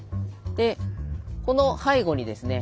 でこの背後にですね